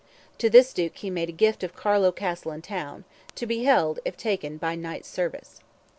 To this duke he made a gift of Carlow castle and town, to be held (if taken) by knights' service.